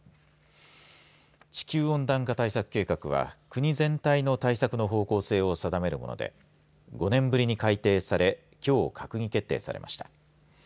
地球温暖化対策計画は国全体の対策の方向性を定めるもので５年ぶりに改定されきょう閣議決定されました。